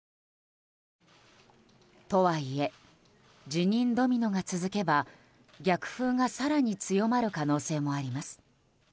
とはいえ辞任ドミノが続けば逆風が更に強まる可能性もあります。